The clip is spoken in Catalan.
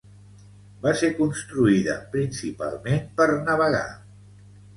Va ser construïda principalment per navegar.